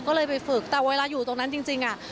ก็เลยไปฝึกแต่เวลาอยู่ตรงนั้นจริงอ่ะ